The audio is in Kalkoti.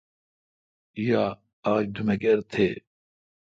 یا آج دومکر تھے°۔